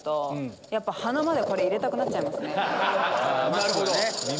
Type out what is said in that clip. なるほど！